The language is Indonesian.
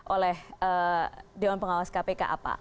oleh dewan pengawas kpk apa